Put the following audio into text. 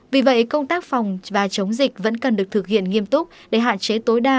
vì vậy công tác phòng và chống dịch vẫn cần được thực hiện nghiêm túc để hạn chế tối đa